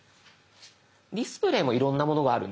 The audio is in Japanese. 「ディスプレイ」もいろんなものがあるんです。